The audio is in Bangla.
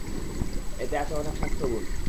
এতে আছে অনেক স্বাস্থ্যগুণ।